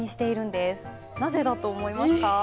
なぜだと思いますか？